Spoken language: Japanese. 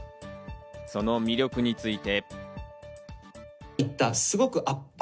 その魅力について。